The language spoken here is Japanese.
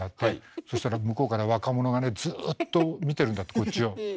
そしたら向こうから若者がねずっと見てるんだってこっちを。